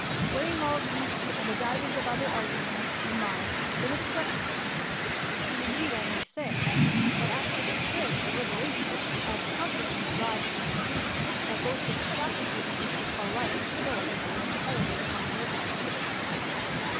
Weighing all these and divers other arguments in my mind, it has struck me, and indeed I may say, that after mature deliberation, I have confident ly arrived at the conclusion, that both the fa culties which we call life and soul depend en tirely upon the nervous system.